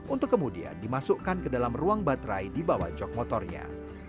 untuk kemudian dimasukkan ke dalam ruang baterai di bawah jok motornya